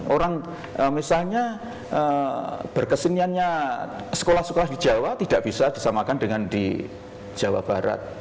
orang misalnya berkeseniannya sekolah sekolah di jawa tidak bisa disamakan dengan di jawa barat